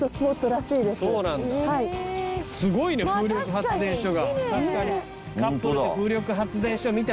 すごいね風力発電所が。